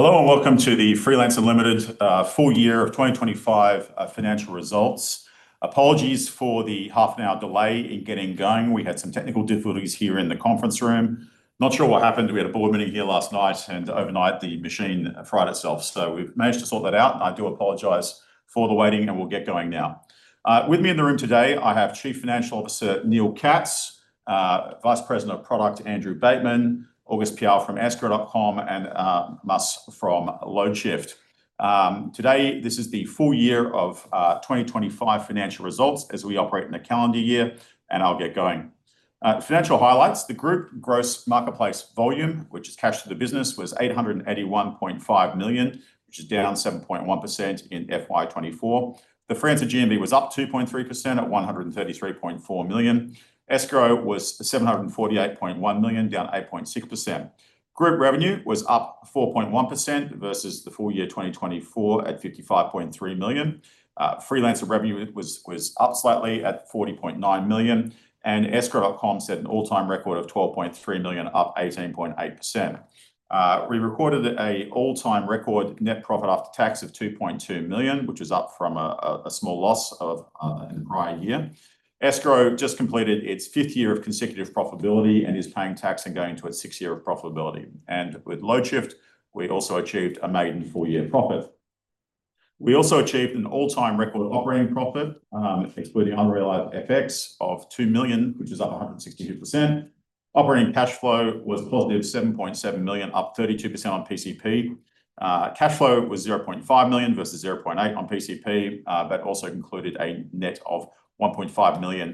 Hello, welcome to the Freelancer Limited Full Year of 2025 Financial Results. Apologies for the half an hour delay in getting going. We had some technical difficulties here in the conference room. Not sure what happened. We had a board meeting here last night. Overnight, the machine fried itself. We've managed to sort that out. I do apologize for the waiting. We'll get going now. With me in the room today, I have Chief Financial Officer, Neil Katz; Vice President of Product, Andrew Bateman; August Piao from Escrow.com; Mas from Loadshift. Today, this is the full year of 2025 financial results as we operate in a calendar year. I'll get going. Financial highlights: the group gross marketplace volume, which is cash to the business, was 881.5 million, which is down 7.1% in FY 2024. The Freelancer GMV was up 2.3% at 133.4 million. Escrow was 748.1 million, down 8.6%. Group revenue was up 4.1% versus the full year 2024 at 55.3 million. Freelancer revenue was up slightly at 40.9 million, and Escrow.com set an all-time record of 12.3 million, up 18.8%. We recorded an all-time record net profit after tax of 2.2 million, which is up from a small loss of in the prior year. Escrow just completed its fifth year of consecutive profitability and is paying tax and going into its sixth year of profitability. With Loadshift, we also achieved a maiden full year profit. We also achieved an all-time record operating profit, excluding unrealized FX, of 2 million, which is up 162%. Operating cash flow was positive, 7.7 million, up 32% on PCP. Cash flow was 0.5 million versus 0.8 on PCP, but also included a net of 1.5 million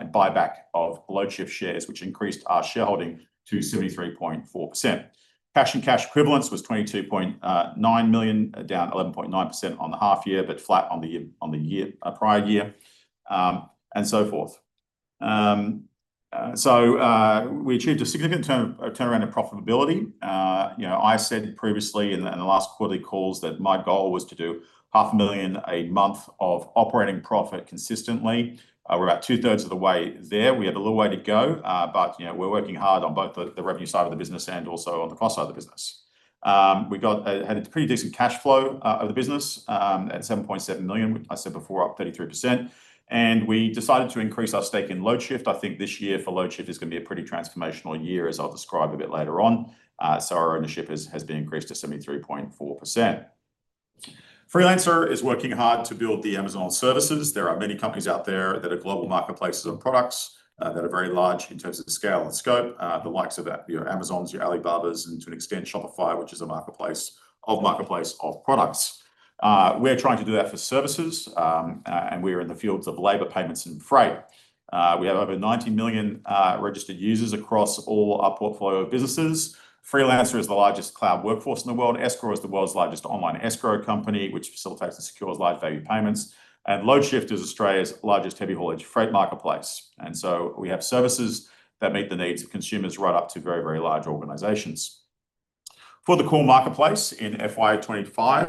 in buyback of Loadshift shares, which increased our shareholding to 73.4%. Cash and cash equivalents was 22.9 million, down 11.9% on the half year, but flat on the year, prior year, and so forth. We achieved a significant turnaround of profitability. You know, I said previously in the last quarterly calls that my goal was to do half a million a month of operating profit consistently. We're about 2/3 of the way there. We have a little way to go, but, you know, we're working hard on both the revenue side of the business and also on the cost side of the business. We had a pretty decent cash flow of the business at 7.7 million, I said before, up 33%, and we decided to increase our stake in Loadshift. I think this year for Loadshift is gonna be a pretty transformational year, as I'll describe a bit later on. Our ownership has been increased to 73.4%. Freelancer is working hard to build the Amazon services. There are many companies out there that are global marketplaces on products, that are very large in terms of scale and scope, the likes of a, your Amazons, your Alibabas, and to an extent, Shopify, which is a marketplace of marketplace of products. We're trying to do that for services, we're in the fields of labor, payments, and freight. We have over 90 million registered users across all our portfolio of businesses. Freelancer is the largest cloud workforce in the world. Escrow is the world's largest online escrow company, which facilitates and secures large value payments. Loadshift is Australia's largest heavy haulage freight marketplace. We have services that meet the needs of consumers, right up to very, very large organizations. For the core marketplace in FY 2025,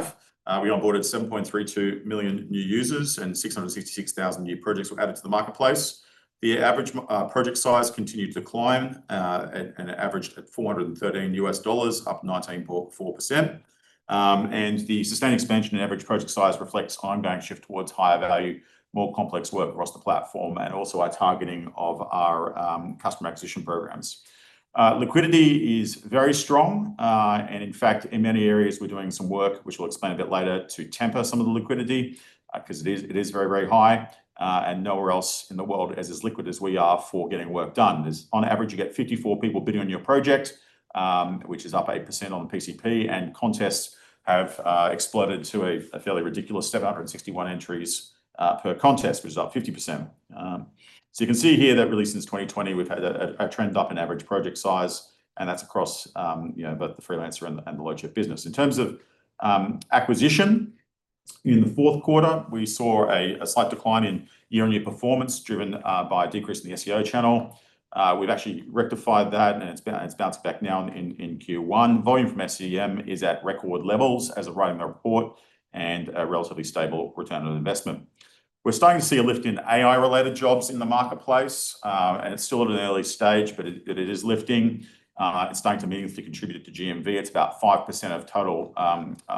we onboarded 7.32 million new users, and 666,000 new projects were added to the marketplace. The average project size continued to climb, and averaged at $413, up 19.4%. The sustained expansion in average project size reflects ongoing shift towards higher value, more complex work across the platform, and also our targeting of our customer acquisition programs. Liquidity is very strong, and in fact, in many areas, we're doing some work, which we'll explain a bit later, to temper some of the liquidity, 'cause it is very, very high, and nowhere else in the world is as liquid as we are for getting work done. On average, you get 54 people bidding on your project, which is up 8% on the PCP, contests have exploded to a fairly ridiculous 761 entries per contest, which is up 50%. You can see here that really since 2020, we've had a trend up in average project size, and that's across, you know, both the Freelancer and the Loadshift business. In terms of acquisition, in the fourth quarter, we saw a slight decline in year-on-year performance, driven by a decrease in the SEO channel. We've actually rectified that, it's bounced back now in Q1. Volume from SEM is at record levels as of writing the report, a relatively stable return on investment. We're starting to see a lift in AI-related jobs in the marketplace, and it's still at an early stage, but it is lifting. It's starting to meaningfully contribute to GMV. It's about 5% of total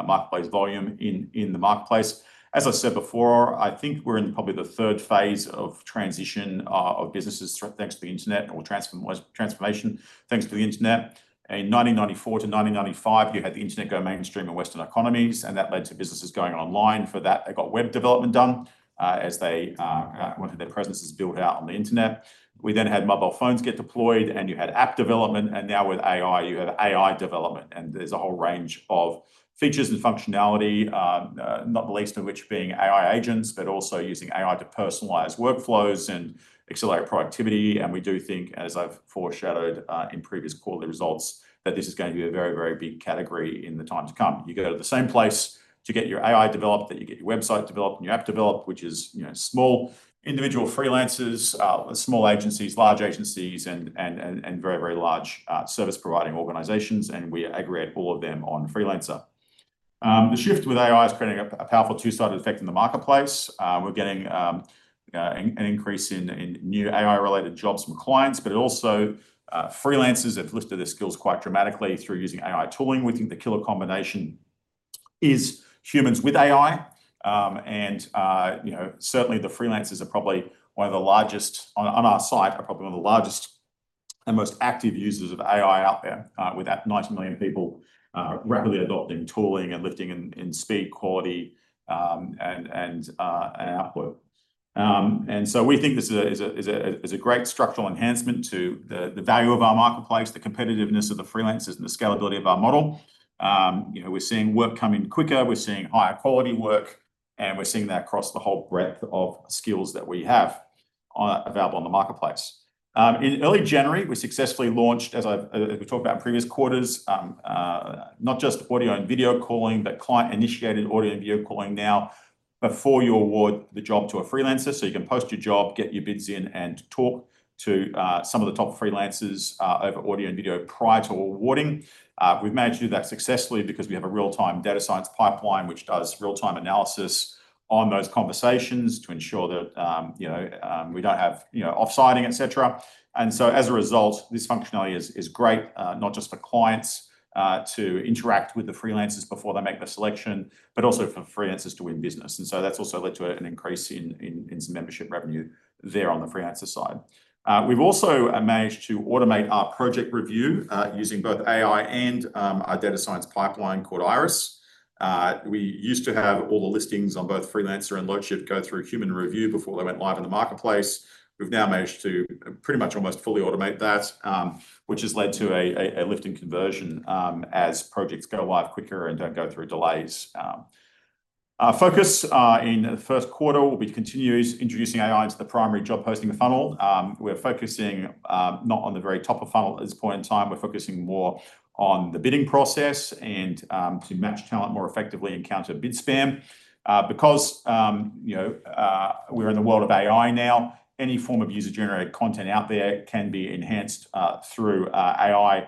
marketplace volume in the marketplace. As I said before, I think we're in probably the third phase of transition of businesses thanks to the Internet, or transformation, thanks to the Internet. In 1994-1995, you had the Internet go mainstream in Western economies, that led to businesses going online. For that, they got web development done, as they wanted their presences built out on the Internet. We then had mobile phones get deployed, and you had app development, and now with AI, you have AI development, and there's a whole range of features and functionality, not the least of which being AI agents, but also using AI to personalize workflows and accelerate productivity. We do think, as I've foreshadowed, in previous quarterly results, that this is going to be a very, very big category in the time to come. You go to the same place to get your AI developed, that you get your website developed, and your app developed, which is, you know, small individual freelancers, small agencies, large agencies, and very, very large, service-providing organizations, and we aggregate all of them on Freelancer. The shift with AI is creating a powerful two-sided effect in the marketplace. We're getting an increase in new AI-related jobs from clients, but also freelancers have lifted their skills quite dramatically through using AI tooling. We think the killer combination is humans with AI. you know, certainly the freelancers are probably one of the largest- on our site, are probably one of the largest and most active users of AI out there, with that 90 million people rapidly adopting tooling and lifting in speed, quality, and output. We think this is a great structural enhancement to the value of our marketplace, the competitiveness of the freelancers, and the scalability of our model. You know, we're seeing work come in quicker, we're seeing higher quality work, and we're seeing that across the whole breadth of skills that we have available on the marketplace. In early January, we successfully launched, as we talked about in previous quarters, not just audio and video calling, but client-initiated audio and video calling now before you award the job to a Freelancer. You can post your job, get your bids in, and talk to some of the top Freelancers over audio and video prior to awarding. We've managed to do that successfully because we have a real-time data science pipeline, which does real-time analysis on those conversations to ensure that, you know, we don't have, you know, off-siting, et cetera. As a result, this functionality is great, not just for clients to interact with the freelancers before they make the selection, but also for freelancers to win business. That's also led to an increase in some membership revenue there on the freelancer side. We've also managed to automate our project review using both AI and our data science pipeline called Iris. We used to have all the listings on both Freelancer and Loadshift go through human review before they went live in the marketplace. We've now managed to pretty much almost fully automate that, which has led to a lift in conversion as projects go live quicker and don't go through delays. Our focus in the first quarter will be to continue introducing AI into the primary job posting funnel. We're focusing not on the very top of funnel at this point in time. We're focusing more on the bidding process and to match talent more effectively and counter bid spam. Because, you know, we're in the world of AI now, any form of user-generated content out there can be enhanced through AI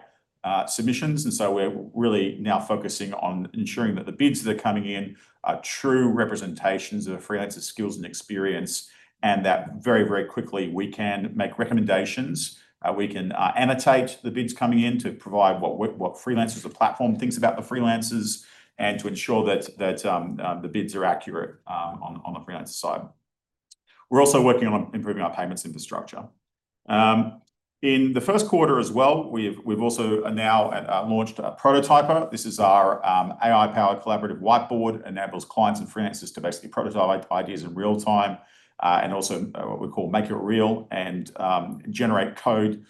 submissions. We're really now focusing on ensuring that the bids that are coming in are true representations of a freelancer's skills and experience, and that very quickly we can make recommendations. We can annotate the bids coming in to provide what freelancers or platform thinks about the freelancers, and to ensure that the bids are accurate on the freelancer side. We're also working on improving our payments infrastructure. In the first quarter as well, we've also now launched Prototyper. This is our AI-powered collaborative whiteboard, enables clients and freelancers to basically prototype ideas in real time, and also what we call Make It Real, and generate code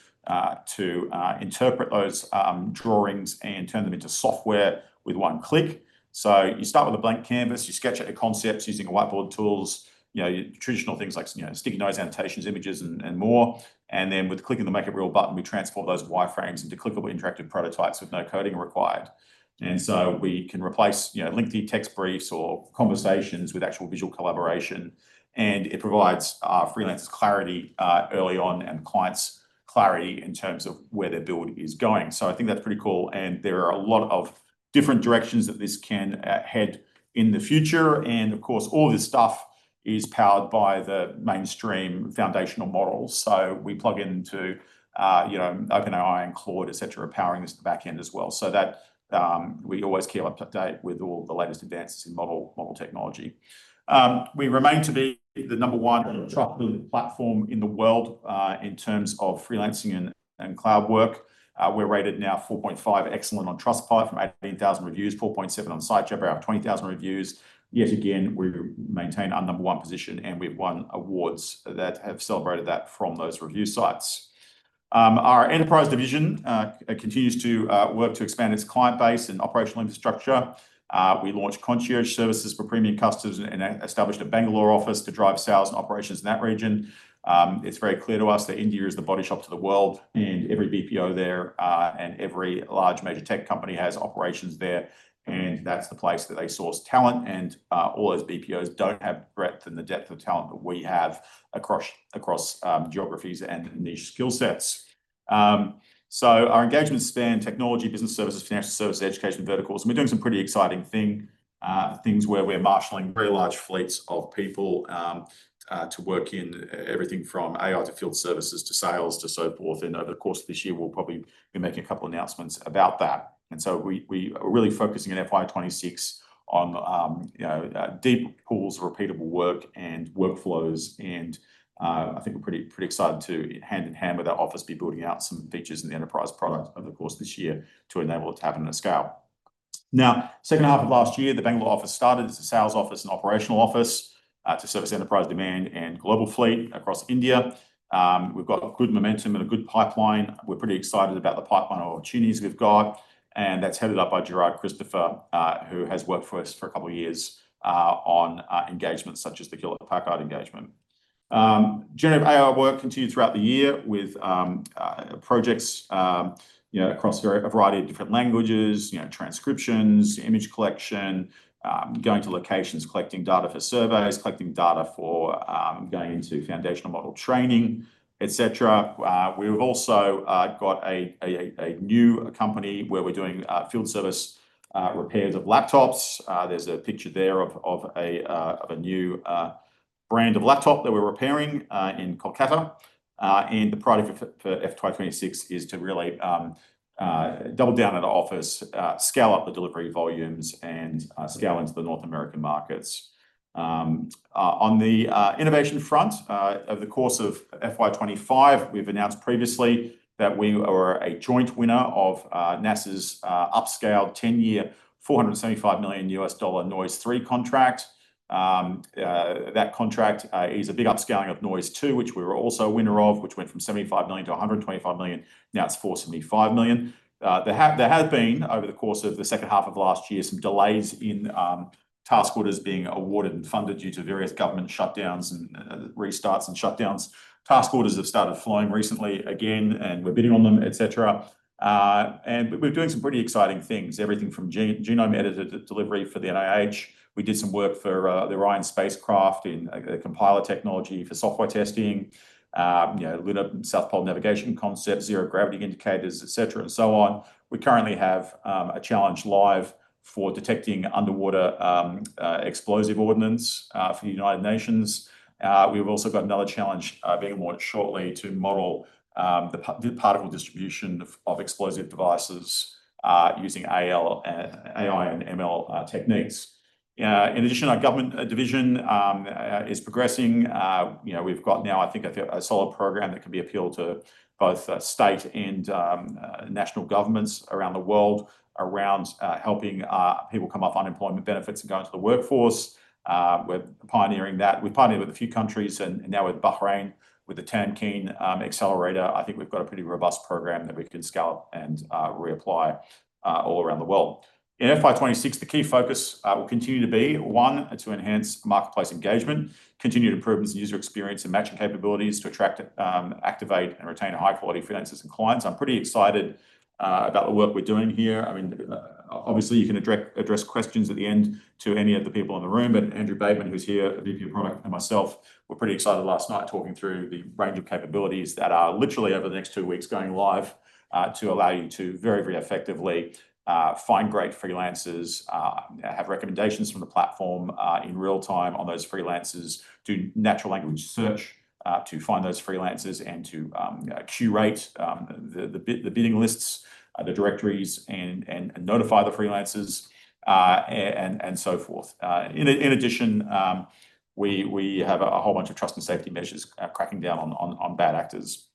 to interpret those drawings and turn them into software with one click. You start with a blank canvas, you sketch out your concepts using the whiteboard tools, you know, your traditional things like, you know, sticky notes, annotations, images, and more. With the click of the Make It Real button, we transport those wireframes into clickable interactive prototypes with no coding required. We can replace, you know, lengthy text briefs or conversations with actual visual collaboration, and it provides freelancers clarity early on, and clients clarity in terms of where their build is going. I think that's pretty cool, and there are a lot of different directions that this can head in the future. Of course, all this stuff is powered by the mainstream foundational models. We plug into, you know, OpenAI and Claude, et cetera, powering this at the back end as well. That we always keep up to date with all the latest advances in model technology. We remain to be the number one trusted platform in the world in terms of freelancing and cloud work. We're rated now 4.5 Excellent on Trustpilot from 18,000 reviews, 4.7 on Sitejabber, out of 20,000 reviews. Yet again, we've maintained our number one position, and we've won awards that have celebrated that from those review sites. Our enterprise division continues to work to expand its client base and operational infrastructure. We launched concierge services for premium customers and established a Bangalore office to drive sales and operations in that region. It's very clear to us that India is the body shop to the world, every BPO there, every large major tech company has operations there, that's the place that they source talent. All those BPOs don't have the breadth and the depth of talent that we have across geographies and niche skill sets. Our engagement span, technology, business services, financial services, education verticals, and we're doing some pretty exciting things where we're marshaling very large fleets of people to work in everything from AI to field services to sales to so forth. Over the course of this year, we'll probably be making a couple announcements about that. We are really focusing in FY 2026 on, you know, deep pools of repeatable work and workflows. I think we're pretty excited to, hand in hand with our office, be building out some features in the enterprise product over the course of this year to enable it to happen on a scale. Now, second half of last year, the Bangalore office started as a sales office and operational office to service enterprise demand and global fleet across India. We've got good momentum and a good pipeline. We're pretty excited about the pipeline opportunities we've got, that's headed up by Gerard Christopher, who has worked for us for a couple of years, on engagements such as the Hewlett-Packard engagement. Generative AI work continued throughout the year with projects, you know, across a variety of different languages, you know, transcriptions, image collection, going to locations, collecting data for surveys, collecting data for going into foundational model training, et cetera. We've also got a new company where we're doing field service repairs of laptops. There's a picture there of a new brand of laptop that we're repairing in Kolkata. The priority for FY 2026 is to really double down at the office, scale up the delivery volumes, scale into the North American markets. On the innovation front, over the course of FY 2025, we've announced previously that we were a joint winner of NASA's upscaled, 10-year, $475 million NOIS3 contract. That contract is a big upscaling of NOIS2, which we were also a winner of, which went from $75 million-$125 million, now it's $475 million. There have been, over the course of the second half of last year, some delays in task orders being awarded and funded due to various government shutdowns, restarts and shutdowns. Task orders have started flowing recently again, and we're bidding on them, et cetera. We're doing some pretty exciting things. Everything from genome editor delivery for the NIH. We did some work for the Orion spacecraft in a compiler technology for software testing. You know, lunar South Pole navigation concept, zero gravity indicators, et cetera, and so on. We currently have a challenge live for detecting underwater explosive ordnance for the United Nations. We've also got another challenge being awarded shortly to model the particle distribution of explosive devices using AI and ML techniques. In addition, our government division is progressing. You know, we've got now, I think, a solid program that can be appealed to both state and national governments around the world, around helping people come off unemployment benefits and go into the workforce. We're pioneering that. We partnered with a few countries, and now with Bahrain, with the Tamkeen accelerator. I think we've got a pretty robust program that we can scale up and reapply all around the world. In FY 2026, the key focus will continue to be, one, to enhance marketplace engagement, continue to improve the user experience and matching capabilities to attract, activate, and retain high-quality freelancers and clients. I'm pretty excited about the work we're doing here. I mean, obviously, you can address questions at the end to any of the people in the room, but Andrew Bateman, who's here, the VP of Product, and myself were pretty excited last night, talking through the range of capabilities that are literally over the next two weeks, going live, to allow you to very, very effectively, find great freelancers. Have recommendations from the platform, in real time on those freelancers. Do natural language search, to find those freelancers and to curate the bidding lists, the directories, and notify the freelancers and so forth. In addition, we have a whole bunch of trust and safety measures, cracking down on bad actors.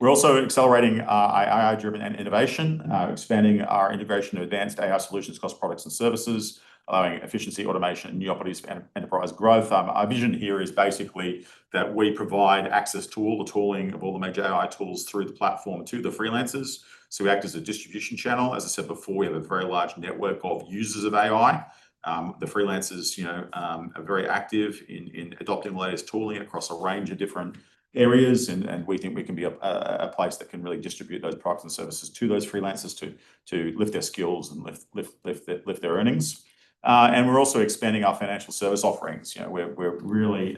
We're also accelerating AI-driven and innovation. Expanding our integration of advanced AI solutions across products and services, allowing efficiency, automation, and new opportunities for enterprise growth. Our vision here is basically that we provide access to all the tooling of all the major AI tools through the platform to the freelancers, so we act as a distribution channel. As I said before, we have a very large network of users of AI. The freelancers, you know, are very active in adopting the latest tooling across a range of different areas, and we think we can be a place that can really distribute those products and services to those freelancers to lift their skills and lift their earnings. We're also expanding our financial service offerings. You know, we're really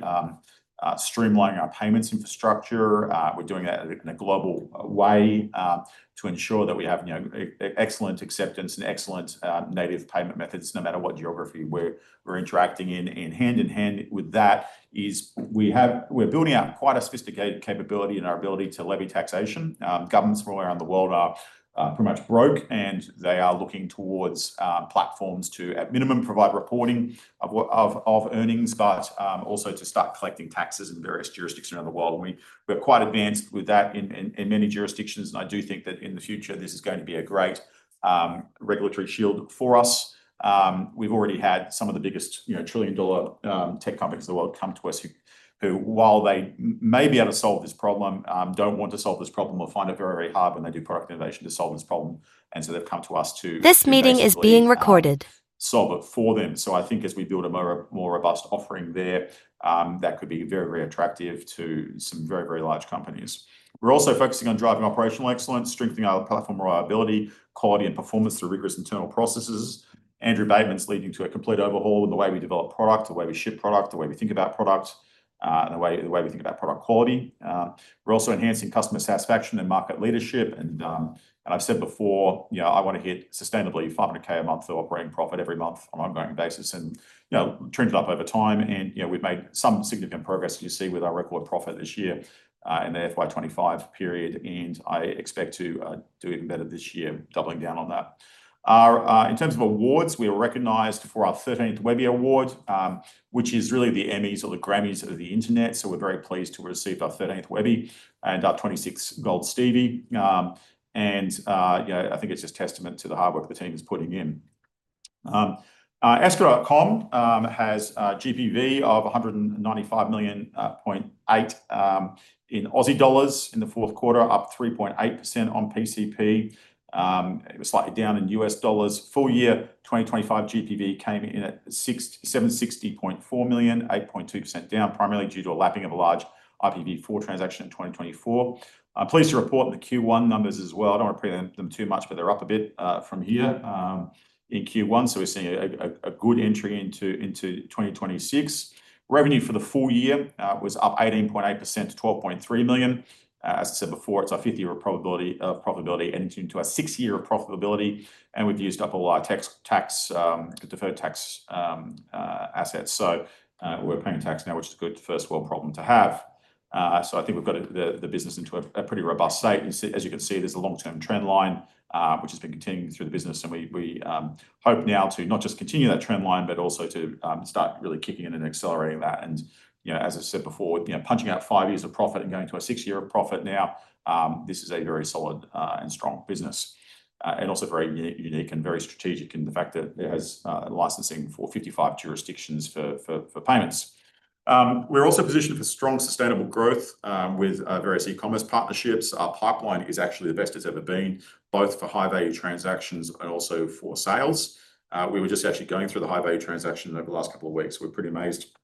streamlining our payments infrastructure. We're doing that in a global way, to ensure that we have, you know, excellent acceptance and excellent native payment methods, no matter what geography we're interacting in. Hand in hand with that is we're building out quite a sophisticated capability in our ability to levy taxation. Governments from all around the world are pretty much broke, and they are looking towards platforms to at minimum, provide reporting of what of earnings, but also to start collecting taxes in various jurisdictions around the world. We're quite advanced with that in many jurisdictions, and I do think that in the future, this is going to be a great regulatory shield for us. We've already had some of the biggest, you know, trillion-dollar tech companies in the world come to us, who while they may be able to solve this problem, don't want to solve this problem or find it very hard when they do product innovation to solve this problem. They've come to us to. This meeting is being recorded. solve it for them. I think as we build a more robust offering there, that could be very, very attractive to some very, very large companies. We're also focusing on driving operational excellence, strengthening our platform reliability, quality, and performance through rigorous internal processes. Andrew Bateman's leading to a complete overhaul in the way we develop product, the way we ship product, the way we think about product, and the way we think about product quality. We're also enhancing customer satisfaction and market leadership, and I've said before, you know, I want to hit sustainably 500,000 a month of operating profit every month on an ongoing basis and, you know, trend it up over time. You know, we've made some significant progress, you see, with our record profit this year in the FY 2025 period, and I expect to do even better this year, doubling down on that. In terms of awards, we were recognized for our 13th Webby Award, which is really the Emmys or the Grammys of the internet, so we're very pleased to receive our 13th Webby and our 26th Gold Stevie. You know, I think it's just testament to the hard work the team is putting in. Escrow.com has a GPV of AUD 195.8 million in the fourth quarter, up 3.8% on PCP. It was slightly down in U.S. dollars. Full year, 2025 GPV came in at 760.4 million, 8.2% down, primarily due to a lapping of a large IPv4 transaction in 2024. I'm pleased to report the Q1 numbers as well. I don't want to preen them too much, but they're up a bit from here in Q1, so we're seeing a good entry into 2026. Revenue for the full year was up 18.8% to 12.3 million. As I said before, it's our fifth year of probability, of profitability into our sixth year of profitability, and we've used up a lot of tax, deferred tax assets. We're paying tax now, which is a good first world problem to have. I think we've got the business into a pretty robust state. As you can see, there's a long-term trend line which has been continuing through the business, and we hope now to not just continue that trend line, but also to start really kicking in and accelerating that. You know, as I said before, you know, punching out five years of profit and going to a sixth year of profit now, this is a very solid and strong business and also very unique and very strategic in the fact that it has licensing for 55 jurisdictions for payments. We're also positioned for strong, sustainable growth with various e-commerce partnerships. Our pipeline is actually the best it's ever been, both for high-value transactions and also for sales. We were just actually going through the high-value transactions over the last couple of weeks. We're pretty amazed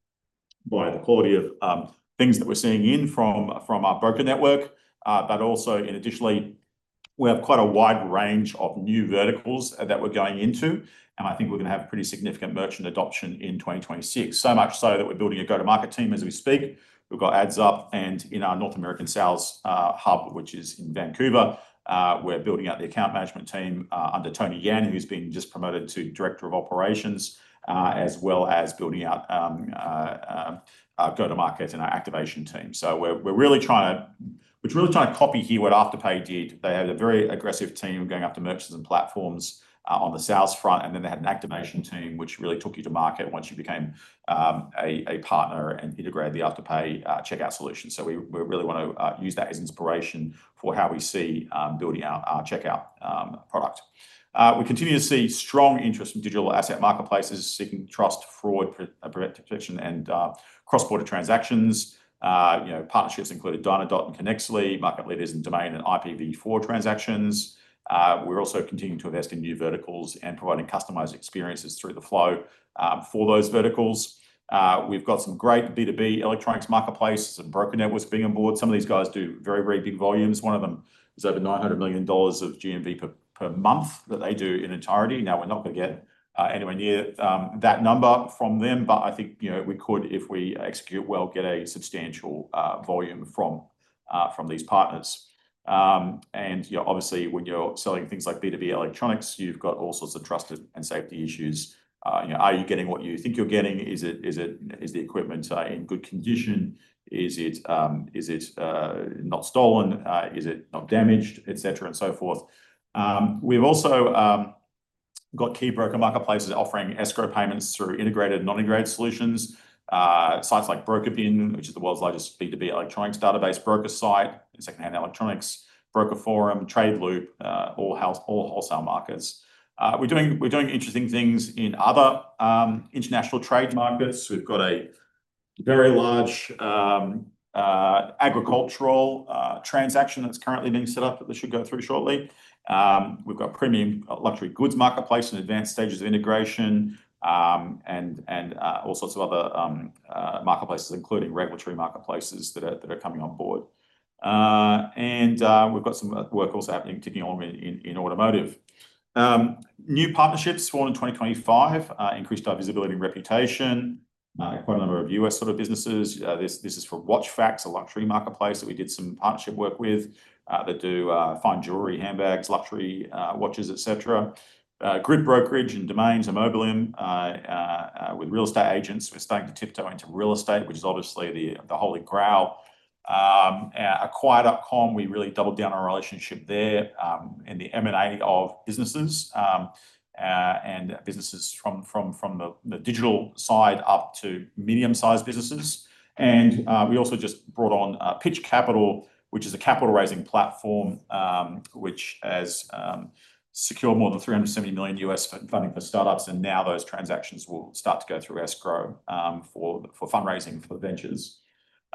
by the quality of things that we're seeing in from our broker network. Additionally, we have quite a wide range of new verticals that we're going into, and I think we're gonna have pretty significant merchant adoption in 2026. We're building a go-to-market team as we speak. We've got ads up and in our North American sales hub, which is in Vancouver, we're building out the account management team under Tony Yan, who's been just promoted to Director of Operations, as well as building out our go-to-market and our activation team. We're really trying to copy here what Afterpay did. They had a very aggressive team going after merchants and platforms on the sales front, and then they had an activation team, which really took you to market once you became a partner and integrated the Afterpay checkout solution. We really want to use that as inspiration for how we see building out our checkout product. We continue to see strong interest from digital asset marketplaces seeking trust, fraud, protection, and cross-border transactions. You know, partnerships included Dynadot and ConeXly, market leaders in domain and IPv4 transactions. We're also continuing to invest in new verticals and providing customized experiences through the flow for those verticals. We've got some great B2B electronics marketplaces and broker networks being on board. Some of these guys do very big volumes. One of them is over 900 million dollars of GMV per month that they do in entirety. We're not going to get anywhere near that number from them, but I think, you know, we could, if we execute well, get a substantial volume from these partners. You know, obviously, when you're selling things like B2B electronics, you've got all sorts of trust and safety issues. You know, are you getting what you think you're getting? Is the equipment in good condition? Is it not stolen? Is it not damaged? Et cetera, and so forth. We've also got key broker marketplaces offering escrow payments through integrated and non-integrated solutions. Sites like BrokerBin, which is the world's largest B2B electronics database broker site in secondhand electronics, Broker Forum, Tradeloop, all wholesale markets. We're doing interesting things in other international trade markets. We've got a very large agricultural transaction that's currently being set up, that should go through shortly. We've got a premium luxury goods marketplace in advanced stages of integration, and all sorts of other marketplaces, including regulatory marketplaces that are coming on board. We've got some work also happening, ticking on in automotive. New partnerships formed in 2025, increased our visibility and reputation. Quite a number of U.S. sort of businesses. This is for WatchFacts, a luxury marketplace that we did some partnership work with, that do fine jewelry, handbags, luxury watches, et cetera. Grit Brokerage and Domains and Mobileum with real estate agents. We're starting to tiptoe into real estate, which is obviously the Holy Grail. Acquire.com, we really doubled down on our relationship there in the M&A of businesses and businesses from the digital side up to medium-sized businesses. We also just brought on Pitch Capital, which is a capital-raising platform, which has secured more than $370 million funding for startups, and now those transactions will start to go through escrow for fundraising for ventures.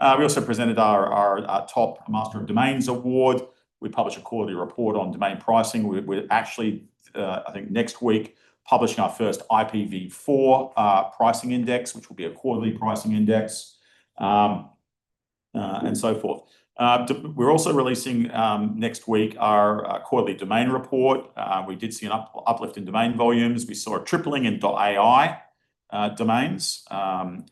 We also presented our top Master of Domains award. We publish a quarterly report on domain pricing. We're actually, I think next week, publishing our first IPv4 pricing index, which will be a quarterly pricing index, so forth. We're also releasing next week our quarterly domain report. We did see an uplift in domain volumes. We saw a tripling in .ai domains over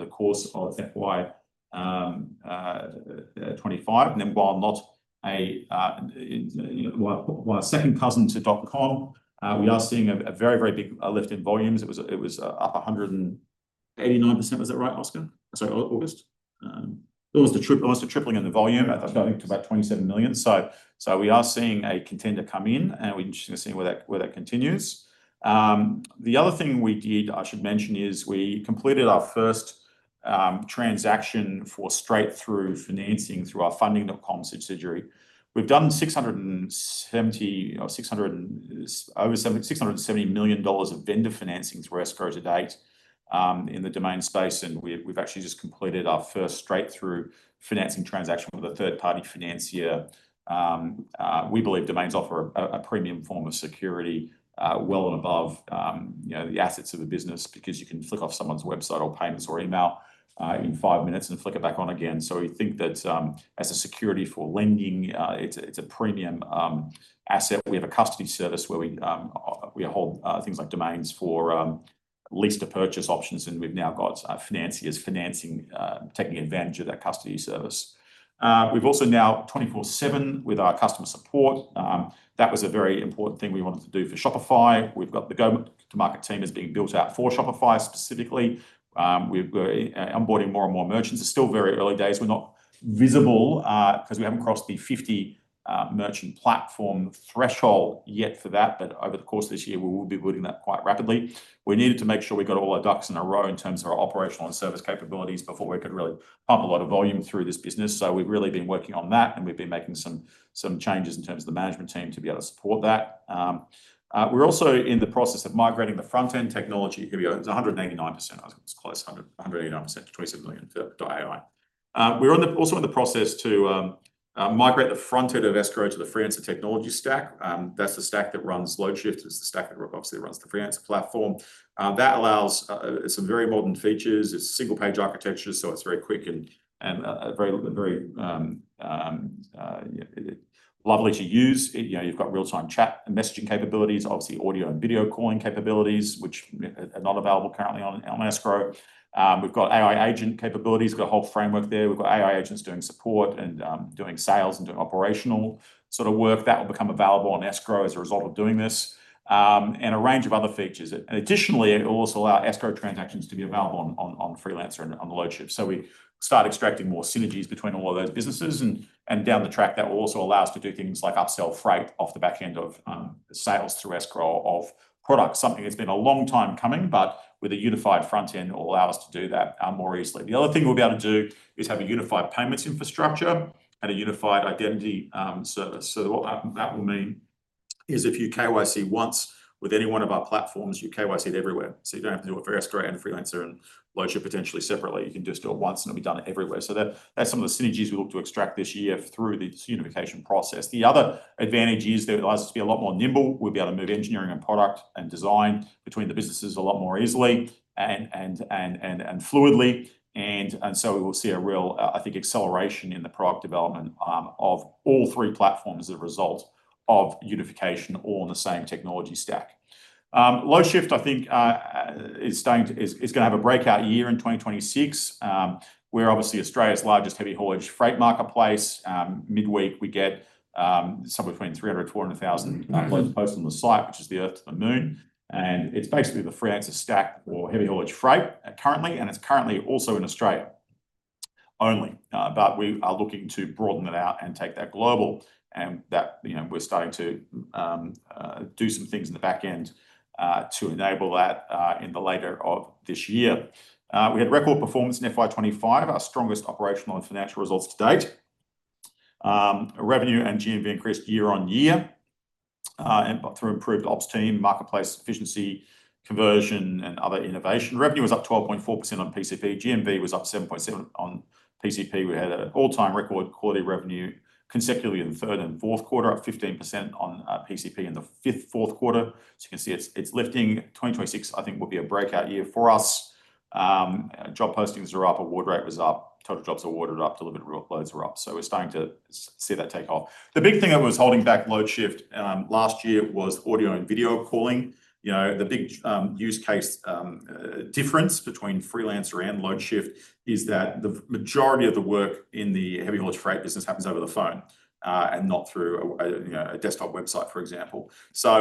the course of FY 2025. While not a, you know, while a second cousin to .com, we are seeing a very, very big lift in volumes. It was up 189%. Was that right, Oscar? Sorry, August. It was the tripling in the volume. Yeah... I think, to about 27 million. We are seeing a contender come in, and we're interested to see where that continues. The other thing we did, I should mention, is we completed our first transaction for straight through financing through our Funding.com subsidiary. We've done 670 million dollars of vendor financing through Escrow.com to date in the domain space, and we've actually just completed our first straight-through financing transaction with a third party financier. We believe domains offer a premium form of security, well and above, you know, the assets of a business because you can flick off someone's website or payments or email in five minutes and flick it back on again. We think that as a security for lending, it's a premium asset. We have a custody service where we hold things like domains for lease to purchase options, and we've now got financiers financing taking advantage of that custody service. We've also now 24/7 with our customer support. That was a very important thing we wanted to do for Shopify. We've got the go-to-market team is being built out for Shopify specifically. We've got onboarding more and more merchants. It's still very early days. We're not visible because we haven't crossed the 50 merchant platform threshold yet for that, but over the course of this year, we will be building that quite rapidly. We needed to make sure we got all our ducks in a row in terms of our operational and service capabilities before we could really pump a lot of volume through this business. We've really been working on that, and we've been making some changes in terms of the management team to be able to support that. We're also in the process of migrating the front-end technology. It's 199%, I think it's close, 199% to 27 million to AI. We're also in the process to migrate the front end of Escrow to the Freelancer technology stack. That's the stack that runs Loadshift. It's the stack that obviously runs the Freelancer platform. That allows some very modern features. It's a single page architecture, so it's very quick and very lovely to use. You know, you've got real-time chat and messaging capabilities, obviously audio and video calling capabilities, which are not available currently on Escrow. We've got AI agent capabilities, we've got a whole framework there. We've got AI agents doing support and doing sales and doing operational sort of work. That will become available on Escrow as a result of doing this and a range of other features. Additionally, it will also allow Escrow transactions to be available on Freelancer and on the Loadshift. We start extracting more synergies between all of those businesses and down the track, that will also allow us to do things like upsell freight off the back end of sales through Escrow of products. Something that's been a long time coming. With a unified front end, it will allow us to do that more easily. The other thing we'll be able to do is have a unified payments infrastructure and a unified identity service. What that will mean is if you KYC once with any one of our platforms, you KYC it everywhere. You don't have to do it for Escrow and Freelancer and Loadshift potentially separately. You can just do it once, and it'll be done everywhere. That's some of the synergies we look to extract this year through this unification process. The other advantage is that it allows us to be a lot more nimble. We'll be able to move engineering and product and design between the businesses a lot more easily and fluidly, and so we will see a real, I think, acceleration in the product development of all three platforms as a result of unification all on the same technology stack. Loadshift, I think, is starting to have a breakout year in 2026. We're obviously Australia's largest heavy haulage freight marketplace. Midweek, we get somewhere between 300,000 and 400,000 posts on the site, which is the Earth to the Moon, and it's basically the Freelancer stack for heavy haulage freight currently, and it's currently also in Australia only. We are looking to broaden it out and take that global and that, you know, we're starting to do some things in the back end to enable that in the later of this year. We had record performance in FY 2025, our strongest operational and financial results to date. Revenue and GMV increased year-on-year and through improved ops team, marketplace efficiency, conversion, and other innovation. Revenue was up 12.4% on PCP. GMV was up 7.7% on PCP. We had an all-time record quarterly revenue consecutively in the third and fourth quarter, up 15% on PCP in the fourth quarter. You can see it's lifting. 2026, I think, will be a breakout year for us. Job postings are up, award rate was up, total jobs awarded up, delivered workloads were up. We're starting to see that take off. The big thing that was holding back Loadshift last year was audio and video calling. You know, the big use case difference between Freelancer and Loadshift is that the majority of the work in the heavy haulage freight business happens over the phone, and not through a, you know, a desktop website, for example.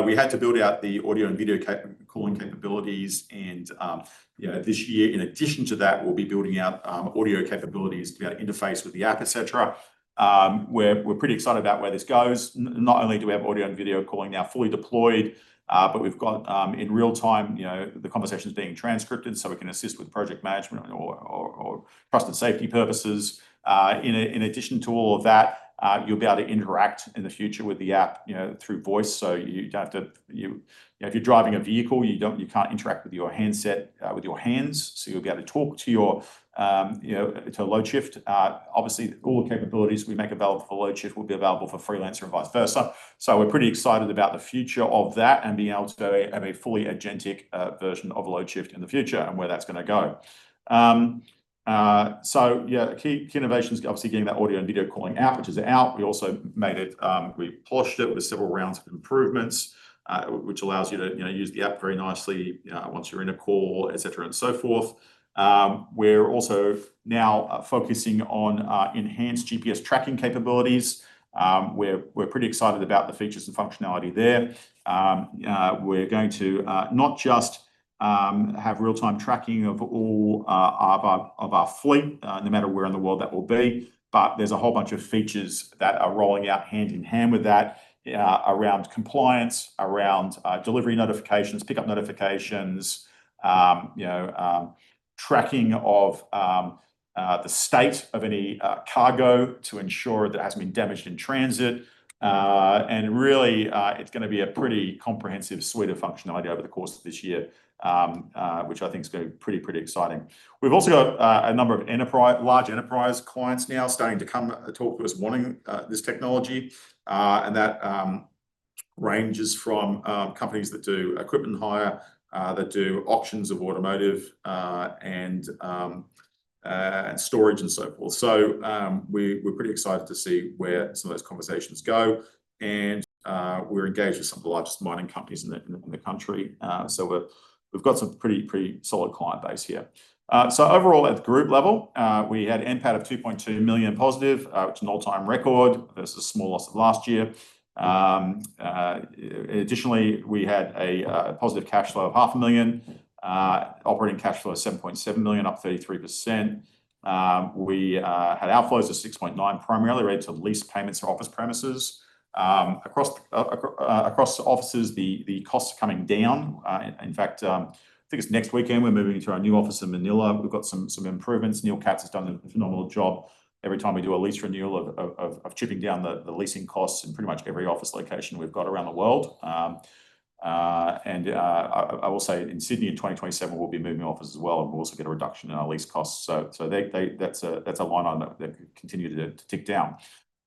We had to build out the audio and video calling capabilities and, you know, this year, in addition to that, we'll be building out audio capabilities to be able to interface with the app, et cetera. We're pretty excited about where this goes. Not only do we have audio and video calling now fully deployed, but we've got in real time, you know, the conversations being transcribed, so we can assist with project management or trust and safety purposes. In addition to all of that, you'll be able to interact in the future with the app, you know, through voice. If you're driving a vehicle, you don't, you can't interact with your handset with your hands, you'll be able to talk to your, you know, to Loadshift. Obviously, all the capabilities we make available for Loadshift will be available for Freelancer and vice versa. We're pretty excited about the future of that and being able to have a fully agentic version of Loadshift in the future and where that's gonna go. Yeah, key innovations, obviously, getting that audio and video calling out, which is out. We also made it, we polished it with several rounds of improvements, which allows you to, you know, use the app very nicely, once you're in a call, et cetera, and so forth. We're also now focusing on enhanced GPS tracking capabilities. We're pretty excited about the features and functionality there. We're going to not just have real-time tracking of all of our fleet, no matter where in the world that will be. There's a whole bunch of features that are rolling out hand in hand with that, around compliance, around delivery notifications, pickup notifications, you know, tracking of the state of any cargo to ensure that it hasn't been damaged in transit. Really, it's going to be a pretty comprehensive suite of functionality over the course of this year, which I think is going to be pretty exciting. We've also got a number of large enterprise clients now starting to come and talk to us, wanting this technology. That ranges from companies that do equipment hire, that do auctions of automotive, and storage and so forth. We're pretty excited to see where some of those conversations go, we're engaged with some of the largest mining companies in the country. We've got some pretty solid client base here. Overall, at the group level, we had NPAT of 2.2 million positive, which is an all-time record versus the small loss of last year. Additionally, we had a positive cash flow of half a million, operating cash flow of 7.7 million, up 33%. We had outflows of 6.9 million, primarily related to lease payments for office premises. Across offices, the costs are coming down. In fact, I think it's next weekend, we're moving into our new office in Manila. We've got some improvements. Neil Katz has done a phenomenal job every time we do a lease renewal of chipping down the leasing costs in pretty much every office location we've got around the world. I will say in Sydney in 2027, we'll be moving offices as well, and we'll also get a reduction in our lease costs. They, that's a line item that will continue to tick down.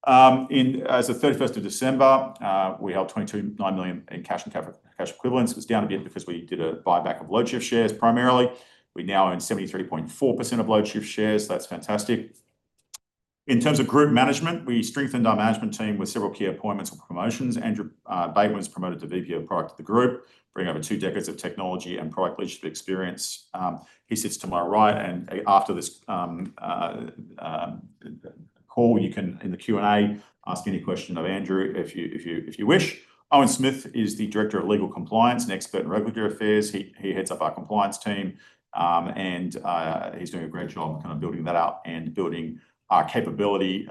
As at 31st of December, we held 22.9 million in cash and cash equivalents. It was down a bit because we did a buyback of Loadshift shares primarily. We now own 73.4% of Loadshift shares. That's fantastic. In terms of group management, we strengthened our management team with several key appointments and promotions. Andrew Bateman was promoted to VP of Product of the Group, bringing over two decades of technology and product leadership experience. He sits to my right, and after this call, you can, in the Q&A, ask any question of Andrew if you wish. Owen Smith is the Director of Legal & Compliance and expert in regulatory affairs. He heads up our compliance team, and he's doing a great job kind of building that out and building our capability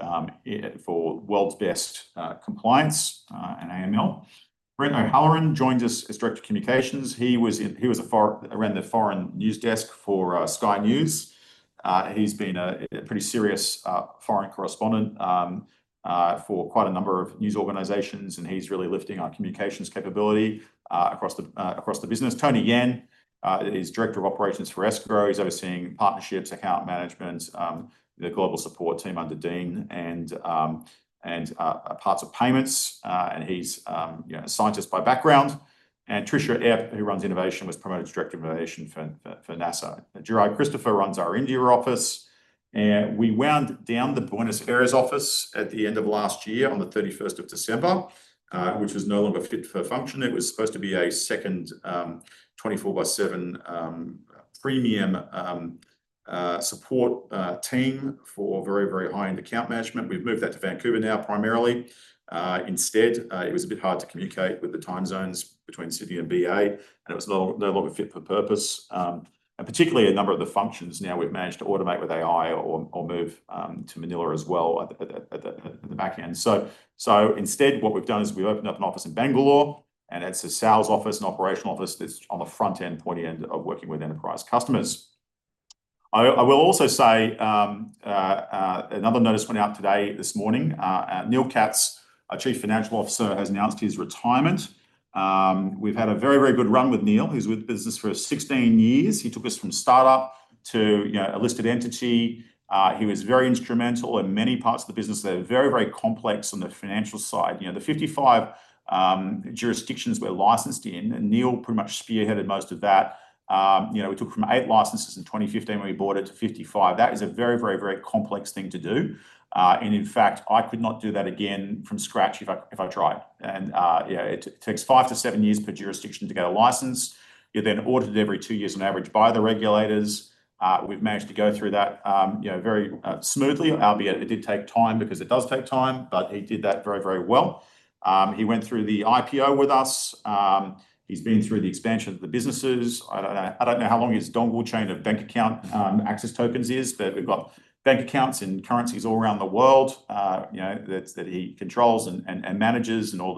for world's best compliance and AML. Brent O'Halloran joined us as Director of Communications. He ran the foreign news desk for Sky News. He's been a pretty serious foreign correspondent for quite a number of news organizations, and he's really lifting our communications capability across the business. Tony Yan is Director of Operations for Escrow. He's overseeing partnerships, account management, the global support team under Dean and parts of payments. He's a scientist by background. Tricia Epp, who runs Innovation, was promoted to Director of Innovation for NASA. Gerard Christopher runs our India office, and we wound down the Buenos Aires office at the end of last year, on the 31st of December, which was no longer fit for function. It was supposed to be a second 24/7 premium support team for very, very high-end account management. We've moved that to Vancouver now, primarily. Instead, it was a bit hard to communicate with the time zones between Sydney and BA, it was no longer fit for purpose. Particularly a number of the functions now we've managed to automate with AI or move to Manila as well at the back end. Instead, what we've done is we opened up an office in Bangalore, that's a sales office and operational office that's on the front-end, pointy end of working with enterprise customers. I will also say, another notice went out today, this morning. Neil Katz, our Chief Financial Officer, has announced his retirement. We've had a very good run with Neil. He's with the business for 16 years. He took us from start-up to, you know, a listed entity. He was very instrumental in many parts of the business that are very, very complex on the financial side. You know, the 55 jurisdictions we're licensed in, Neil pretty much spearheaded most of that. You know, we took from eight licenses in 2015 when we bought it to 55. That is a very, very, very complex thing to do. In fact, I could not do that again from scratch if I tried. You know, it takes five to seven years per jurisdiction to get a license. You're then audited every two years on average by the regulators. We've managed to go through that, you know, very smoothly, albeit it did take time because it does take time, but he did that very, very well. He went through the IPO with us. He's been through the expansion of the businesses. I don't know, I don't know how long his dongle chain of bank account access tokens is, but we've got bank accounts in currencies all around the world, you know, that he controls and manages, and all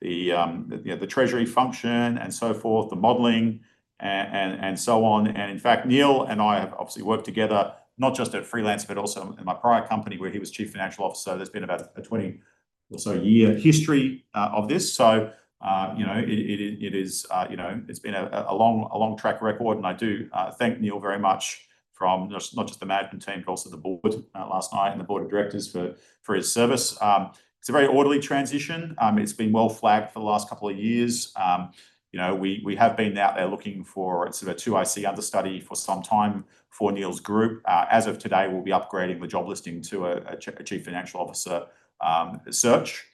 the treasury function and so forth, the modeling and so on. In fact, Neil and I have obviously worked together not just at Freelancer, but also in my prior company, where he was chief financial officer. There's been about a 20 or so year history of this. you know, it is, you know, it's been a long track record, and I do thank Neil very much from not just the management team, but also the board last night and the board of directors for his service. It's a very orderly transition. It's been well flagged for the last couple of years. you know, we have been out there looking for sort of a 2IC understudy for some time for Neil's group. As of today, we'll be upgrading the job listing to a chief financial officer search.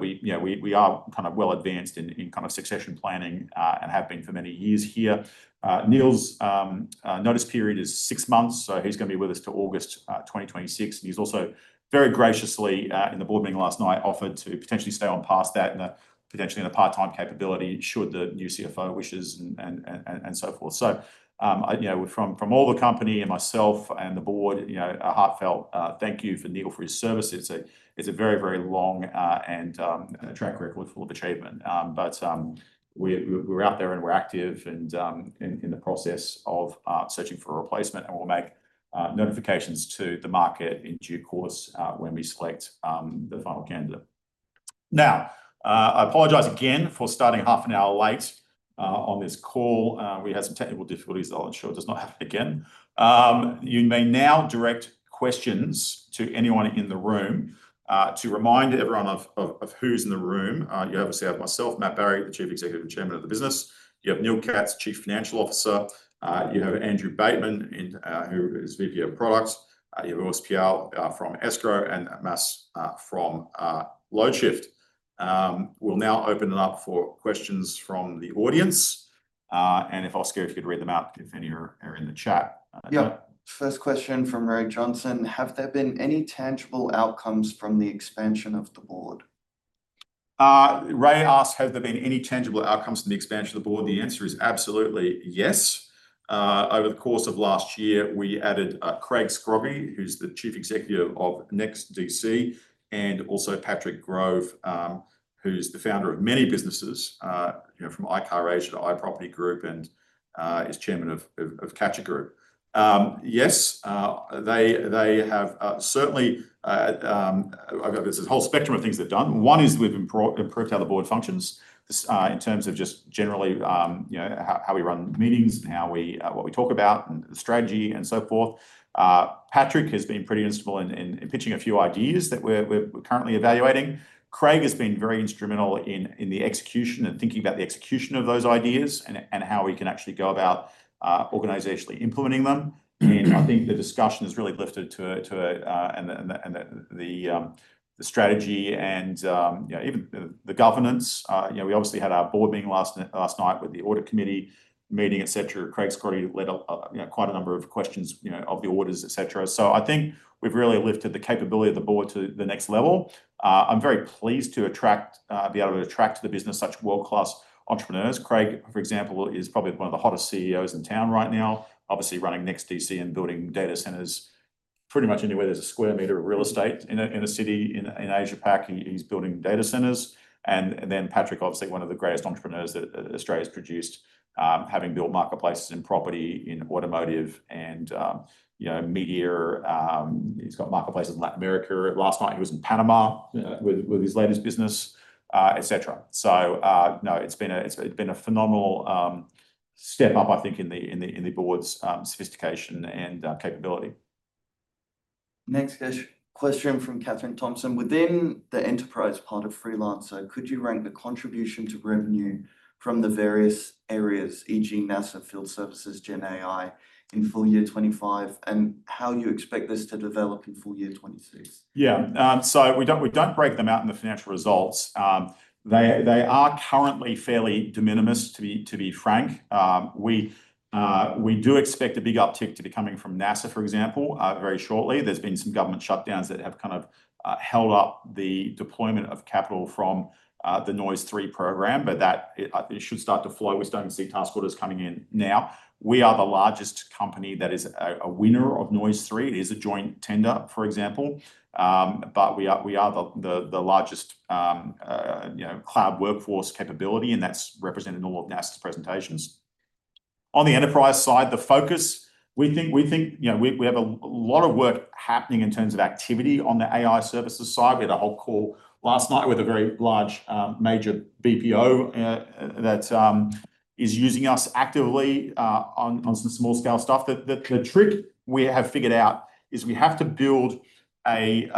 we, you know, we are kind of well advanced in kind of succession planning and have been for many years here. Neil's notice period is six months, so he's going to be with us till August 2026. He's also very graciously in the board meeting last night, offered to potentially stay on past that, and potentially on a part-time capability, should the new CFO wishes and so forth. You know, from all the company and myself and the board, you know, a heartfelt thank you for Neil for his services. It's a very, very long and track record full of achievement. We're out there and we're active and in the process of searching for a replacement, we'll make notifications to the market in due course when we select the final candidate. I apologize again for starting half an hour late on this call. We had some technical difficulties that I'll ensure does not happen again. You may now direct questions to anyone in the room. To remind everyone of who's in the room, you obviously have myself, Matt Barrie, the Chief Executive and Chairman of the business. You have Neil Katz, Chief Financial Officer. You have Andrew Bateman, and who is VP of Product. You have August Piao from Escrow and Mas from Loadshift. We'll now open it up for questions from the audience. If, Oscar, if you'd read them out, if any are in the chat. Yeah. First question from Ray Johnson: "Have there been any tangible outcomes from the expansion of the board? Ray asked, "Have there been any tangible outcomes from the expansion of the board?" The answer is absolutely yes. Over the course of last year, we added Craig Scroggie, who's the Chief Executive of NEXTDC, and also Patrick Grove, who's the founder of many businesses, you know, from iCar Asia to iProperty Group, and is Chairman of Catcha Group. Yes, they have. There's a whole spectrum of things they've done. One is we've improved how the board functions in terms of just generally, you know, how we run meetings and how we what we talk about, and the strategy, and so forth. Patrick has been pretty instrumental in pitching a few ideas that we're currently evaluating. Craig has been very instrumental in the execution and thinking about the execution of those ideas, and how we can actually go about organizationally implementing them. I think the discussion has really lifted to and the strategy and, you know, even the governance. You know, we obviously had our board meeting last night, with the audit committee meeting, et cetera. Craig Scroggie led, you know, quite a number of questions, you know, of the auditors, et cetera. I think we've really lifted the capability of the board to the next level. I'm very pleased to attract, be able to attract to the business such world-class entrepreneurs. Craig, for example, is probably one of the hottest CEOs in town right now, obviously running NEXTDC and building data centers. Pretty much anywhere there's a square meter of real estate in a city in Asia Pac, he's building data centers. Patrick, obviously one of the greatest entrepreneurs that Australia's produced, having built marketplaces in property, in automotive, and, you know, media. He's got marketplaces in Latin America. Last night he was in Panama with his latest business, et cetera. No, it's been a phenomenal step up, I think, in the board's sophistication and capability. Next question from Catherine Thompson: "Within the enterprise part of Freelancer, could you rank the contribution to revenue from the various areas, e.g., NASA, field services, GenAI, in full year 2025, and how you expect this to develop in full year 2026? Yeah. We don't break them out in the financial results. They are currently fairly de minimis, to be frank. We do expect a big uptick to be coming from NASA, for example, very shortly. There's been some government shutdowns that have kind of held up the deployment of capital from the NOIS3 program, that it should start to flow. We're starting to see task orders coming in now. We are the largest company that is a winner of NOIS3. It is a joint tender, for example. We are the largest, you know, cloud workforce capability, and that's represented in all of NASA's presentations. On the enterprise side, the focus, we think, you know, we have a lot of work happening in terms of activity on the AI services side. We had a whole call last night with a very large, major BPO that is using us actively on some small-scale stuff. The trick we have figured out is we have to build a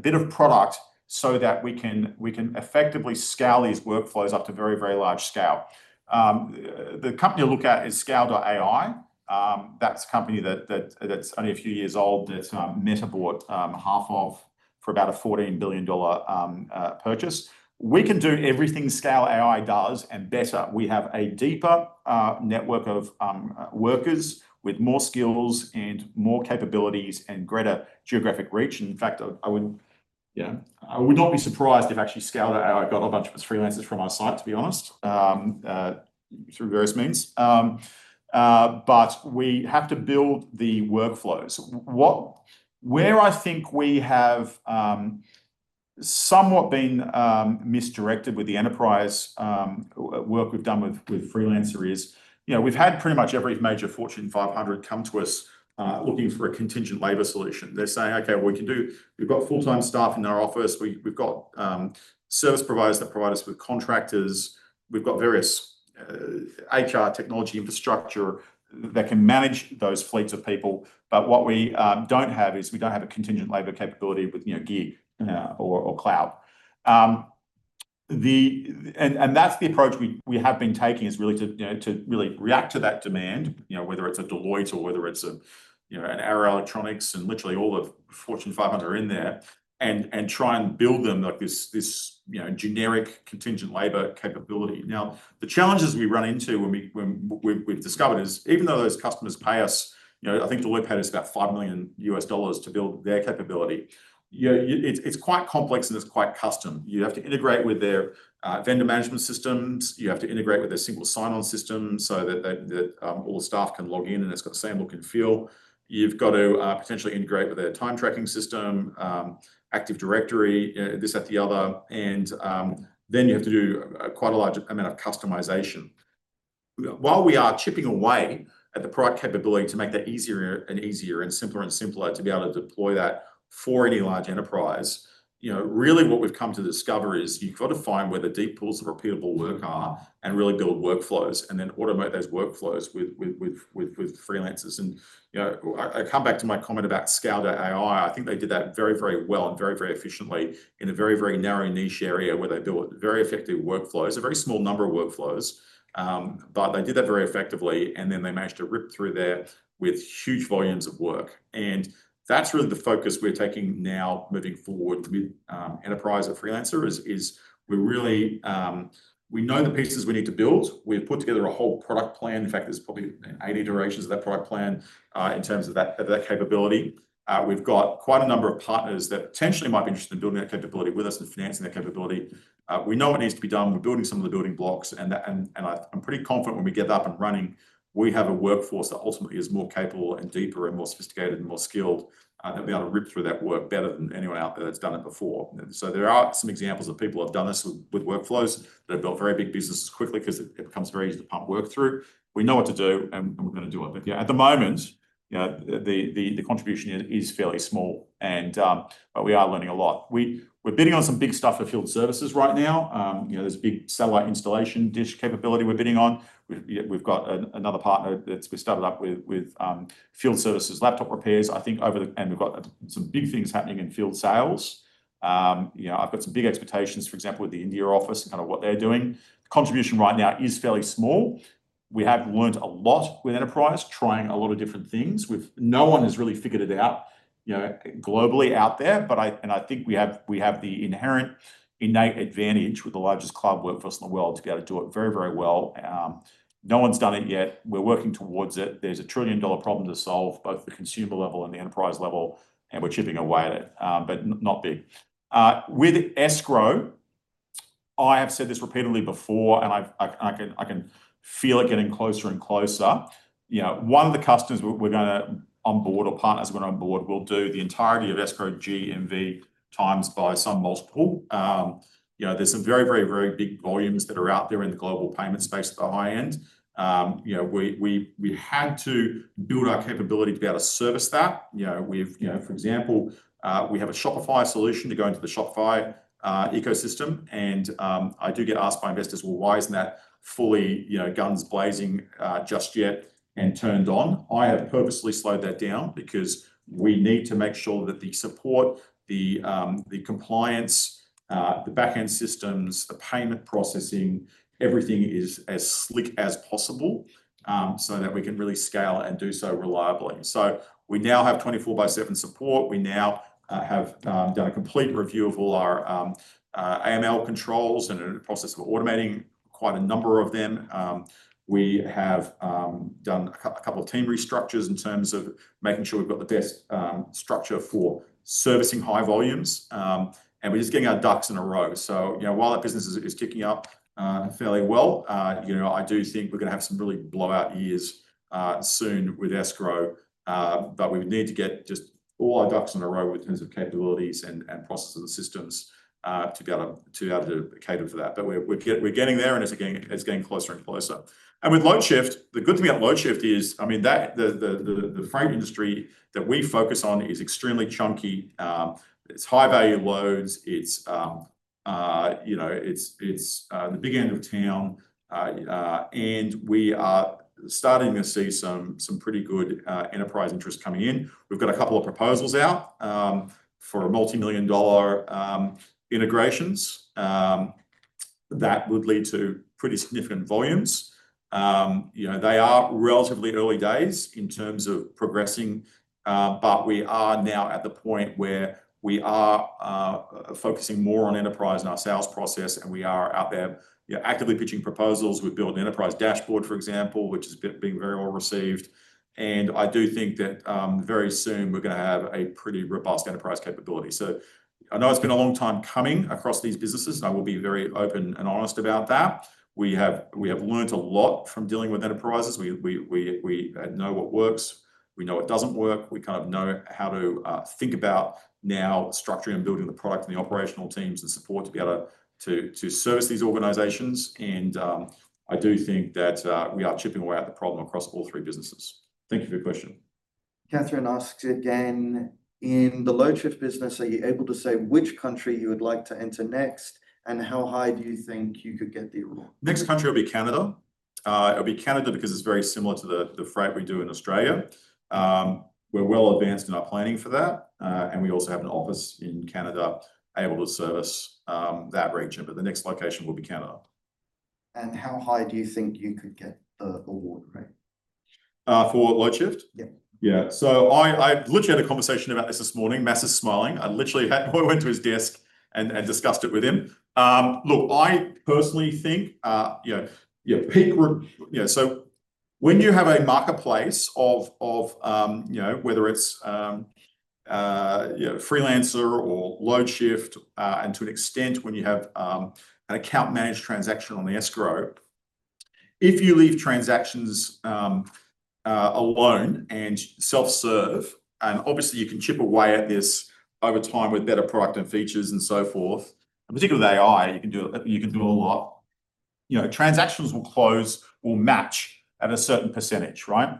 bit of product so that we can effectively scale these workflows up to very large scale. The company to look at is Scale AI. That's a company that's only a few years old, that Meta bought half of for about a $14 billion purchase. We can do everything Scale AI does, and better. We have a deeper network of workers with more skills and more capabilities and greater geographic reach. In fact, I would, you know, I would not be surprised if actually Scale AI got a bunch of freelancers from our site, to be honest, through various means. We have to build the workflows. Where I think we have, somewhat been, misdirected with the enterprise, work we've done with Freelancer is, you know, we've had pretty much every major Fortune 500 come to us, looking for a contingent labor solution. They're saying, "Okay, well, we've got full-time staff in our office. We've got service providers that provide us with contractors. We've got various HR technology infrastructure that can manage those fleets of people, but what we don't have is we don't have a contingent labor capability with, you know, gig or cloud. That's the approach we have been taking, is really to, you know, to really react to that demand, you know, whether it's a Deloitte or whether it's a, you know, an Arrow Electronics, and literally all the Fortune 500 are in there, and try and build them like this, you know, generic contingent labor capability. Now, the challenges we run into when we've discovered is, even though those customers pay us, you know, I think Deloitte paid us about $5 million to build their capability, you know, it's quite complex, and it's quite custom. You have to integrate with their vendor management systems. You have to integrate with their single sign-on system so that all the staff can log in, and it's got the same look and feel. You've got to potentially integrate with their time tracking system, Active Directory, this, that, and the other. You have to do quite a large amount of customization. While we are chipping away at the product capability to make that easier and easier and simpler and simpler, to be able to deploy that for any large enterprise, you know, really what we've come to discover is you've got to find where the deep pools of repeatable work are and really build workflows and then automate those workflows with freelancers. You know, I come back to my comment about Scale AI. I think they did that very, very well and very, very efficiently in a very, very narrow niche area where they built very effective workflows, a very small number of workflows, but they did that very effectively, and then they managed to rip through that with huge volumes of work. That's really the focus we're taking now moving forward with enterprise at Freelancer is, we really, we know the pieces we need to build. We've put together a whole product plan. In fact, there's probably 80 iterations of that product plan, in terms of that capability. We've got quite a number of partners that potentially might be interested in building that capability with us and financing that capability. We know what needs to be done. We're building some of the building blocks, I'm pretty confident when we get up and running, we have a workforce that ultimately is more capable and deeper and more sophisticated and more skilled, and they'll be able to rip through that work better than anyone out there that's done it before. There are some examples of people who have done this with workflows, that have built very big businesses quickly because it becomes very easy to pump work through. We know what to do, and we're going to do it. Yeah, at the moment, you know, the contribution is fairly small and we are learning a lot. We're bidding on some big stuff for field services right now. You know, there's a big satellite installation dish capability we're bidding on. We've, yeah, we've got another partner that we started up with, field services, laptop repairs, I think over the. We've got some big things happening in field sales. You know, I've got some big expectations, for example, with the India office and kind of what they're doing. The contribution right now is fairly small. We have learned a lot with enterprise, trying a lot of different things. We've no one has really figured it out, you know, globally out there, but I think we have the inherent innate advantage with the largest cloud workforce in the world to be able to do it very, very well. No one's done it yet. We're working towards it. There's a trillion-dollar problem to solve, both the consumer level and the enterprise level. We're chipping away at it, but not big. With Escrow, I have said this repeatedly before, and I can feel it getting closer and closer. You know, one of the customers we're going to onboard or partners we're going to onboard will do the entirety of Escrow GMV times by some multiple. You know, there's some very big volumes that are out there in the global payment space at the high end. You know, we had to build our capability to be able to service that. You know, we've, you know, for example, we have a Shopify solution to go into the Shopify ecosystem. I do get asked by investors, "Well, why isn't that fully, you know, guns blazing just yet and turned on?" I have purposely slowed that down because we need to make sure that the support, the compliance, the back-end systems, the payment processing, everything is as slick as possible so that we can really scale and do so reliably. We now have 24/7 support. We now have done a complete review of all our AML controls and are in the process of automating quite a number of them. We have done a couple of team restructures in terms of making sure we've got the best structure for servicing high volumes. We're just getting our ducks in a row. You know, while that business is ticking up fairly well, you know, I do think we're gonna have some really blowout years soon with Escrow. We would need to get just all our ducks in a row in terms of capabilities and processes and systems to be able to cater to that. We're getting there, and it's getting closer and closer. With Loadshift, the good thing about Loadshift is, I mean, the freight industry that we focus on is extremely chunky. It's high-value loads. It's, you know, it's the big end of town. We are starting to see some pretty good enterprise interest coming in. We've got a couple of proposals out for multimillion-dollar integrations. That would lead to pretty significant volumes. You know, they are relatively early days in terms of progressing, but we are now at the point where we are focusing more on enterprise and our sales process, and we are out there actively pitching proposals. We've built an enterprise dashboard, for example, which has been very well received. I do think that very soon we're gonna have a pretty robust enterprise capability. I know it's been a long time coming across these businesses, and I will be very open and honest about that. We have learnt a lot from dealing with enterprises. We know what works. We know what doesn't work. We kind of know how to think about now structuring and building the product and the operational teams and support to be able to service these organizations. I do think that we are chipping away at the problem across all three businesses. Thank you for your question. In the Loadshift business, are you able to say which country you would like to enter next, and how high do you think you could get the award? Next country will be Canada. It'll be Canada because it's very similar to the freight we do in Australia. We're well advanced in our planning for that. We also have an office in Canada able to service that region, but the next location will be Canada. How high do you think you could get the award rate? For Loadshift? Yeah. Yeah. I literally had a conversation about this this morning. Matt is smiling. I went to his desk and discussed it with him. Look, I personally think, you know, Yeah, when you have a marketplace of, you know, whether it's, you know, Freelancer or Loadshift, and to an extent, when you have an account managed transaction on the Escrow, if you leave transactions alone and self-serve, and obviously you can chip away at this over time with better product and features and so forth, and particularly with AI, you can do a lot. You know, transactions will close or match at a certain percentage, right?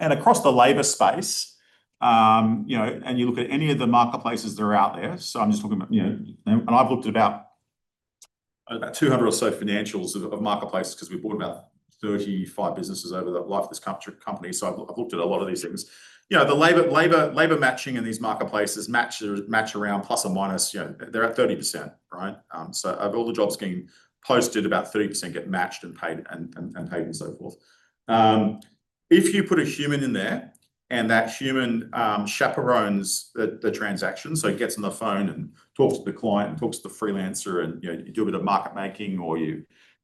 Across the labor space, you know, and you look at any of the marketplaces that are out there, I'm just talking about, you know, and I've looked at about 200 or so financials of marketplaces because we've bought about 35 businesses over the life of this company. I've looked at a lot of these things. You know, the labor matching in these marketplaces match around plus or minus, you know, they're at 30%, right? Of all the jobs getting posted, about 30% get matched and paid, and paid and so forth. If you put a human in there, and that human chaperones the transaction, so it gets on the phone and talks to the client and talks to the freelancer, and, you know, you do a bit of market making, or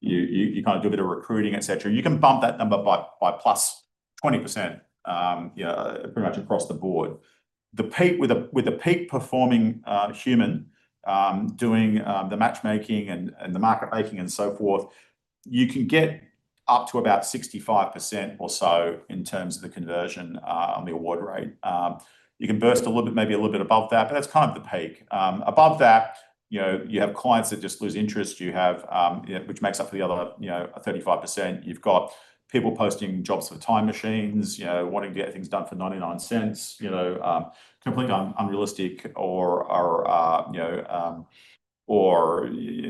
you kind of do a bit of recruiting, et cetera. You can bump that number by plus 20%, you know, pretty much across the board. With a peak-performing human doing the matchmaking and the market making and so forth, you can get up to about 65% or so in terms of the conversion on the award rate. You can burst a little bit, maybe a little bit above that, but that's kind of the peak. Above that, you know, you have clients that just lose interest, you have, yeah, which makes up for the other, you know, 35%. You've got people posting jobs for time machines, you know, wanting to get things done for $0.99, you know, completely unrealistic or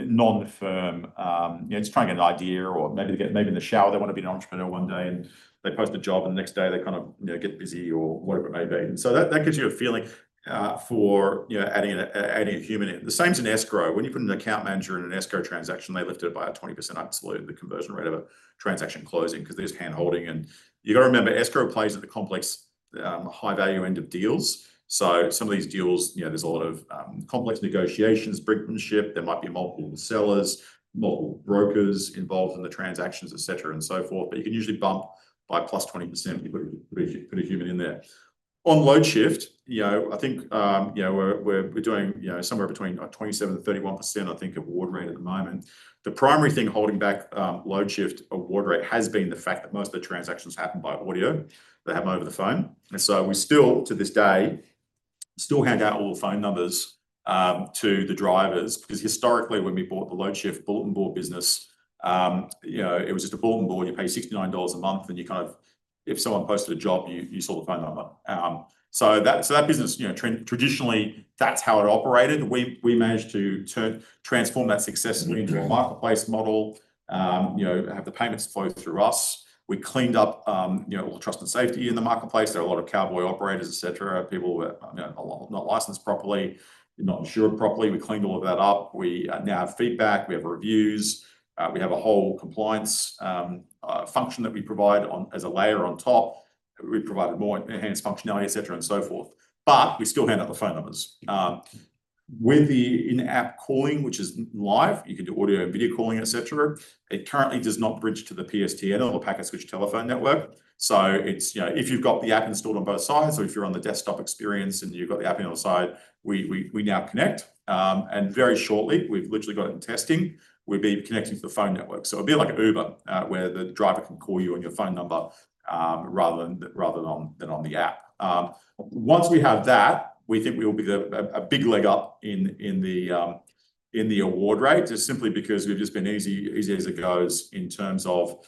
non-firm. You know, just trying to get an idea or maybe in the shower, they want to be an entrepreneur one day, and they post a job, and the next day they kind of, you know, get busy or whatever it may be. That, that gives you a feeling for, you know, adding a human in. The same as in Escrow. When you put an account manager in an Escrow transaction, they lift it by a 20% absolutely the conversion rate of a transaction closing because there's hand-holding. You've got to remember, Escrow plays at the complex, high-value end of deals. Some of these deals, you know, there's a lot of complex negotiations, brinkmanship, there might be multiple sellers, multiple brokers involved in the transactions, et cetera, and so forth. You can usually bump by +20% if you put a human in there. On Loadshift, you know, I think, you know, we're doing, you know, somewhere between, like, 27%-31%, I think, award rate at the moment. The primary thing holding back Loadshift award rate has been the fact that most of the transactions happen by audio. They happen over the phone. We still, to this day, still hand out all the phone numbers to the drivers, because historically, when we bought the Loadshift bulletin board business, you know, it was just a bulletin board. You pay 69 dollars a month, and you kind of if someone posted a job, you saw the phone number. That business, you know, traditionally, that's how it operated. We managed to transform that successfully. Mm-hmm... into a marketplace model. you know, have the payments flow through us. We cleaned up, you know, all the trust and safety in the marketplace. There were a lot of cowboy operators, et cetera, people who were, you know, not licensed properly, not insured properly. We cleaned all of that up. We now have feedback, we have reviews, we have a whole compliance function that we provide as a layer on top. We provided more enhanced functionality, et cetera, and so forth. We still hand out the phone numbers. With the in-app calling, which is live, you can do audio and video calling, et cetera. It currently does not bridge to the PSTN or Public Switched Telephone Network. It's, you know, if you've got the app installed on both sides, or if you're on the desktop experience and you've got the app on your side, we now connect. Very shortly, we've literally got it in testing, we'll be connecting to the phone network. It'll be like an Uber, where the driver can call you on your phone number, rather than on the app. Once we have that, we think we will be a big leg up in the award rate, just simply because we've just been easy as it goes in terms of,